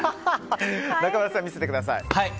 中村さん見せてください。